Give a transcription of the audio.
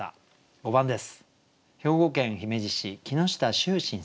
５番です。